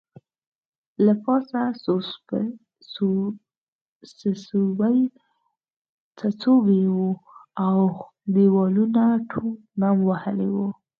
له پاسه څڅوبی وو او دیوالونه ټول نم وهلي وو